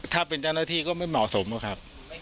ถ้าเป็นเจ้าหน้าที่ก็ไม่เหมาะสมหรอกครับ